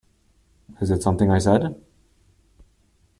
Is it something I said?